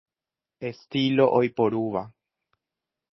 Estilo oiporúva.